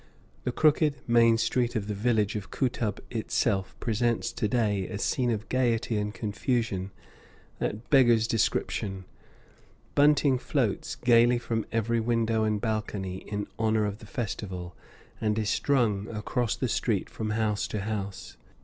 The crooked main street of the village of Kootub itself presents to day a scene of gayety and confusion that beggars description. Bunting floats gayly from every window and balcony, in honor of the festival, and is strung across the street from house to house.